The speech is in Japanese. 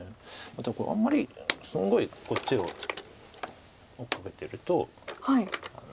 これあんまりすごいこっちを追っかけてると。